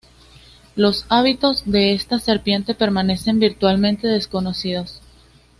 Los hábitos de esta serpiente permanecen virtualmente desconocidos.